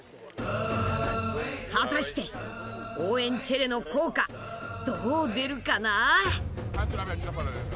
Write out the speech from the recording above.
果たして応援チェレの効果どう出るかな？